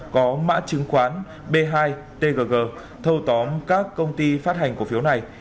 có mã chứng khoán b hai tgg thâu tóm các công ty phát hành cổ phiếu này